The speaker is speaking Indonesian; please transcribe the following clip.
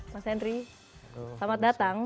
mas henry selamat datang